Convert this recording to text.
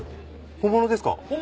本物です！